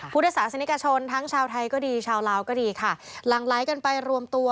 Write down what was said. พุทธศาสนิกชนทั้งชาวไทยก็ดีชาวลาวก็ดีค่ะหลังไหลกันไปรวมตัว